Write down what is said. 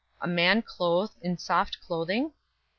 A man clothed in soft clothing?